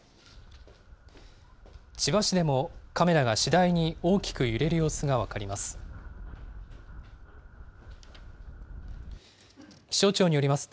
千葉市でもカメラが次第に大きく揺れる様子が分かります。